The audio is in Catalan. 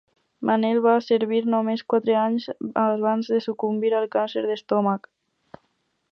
Manel va servir només quatre anys abans de sucumbir al càncer d'estómac.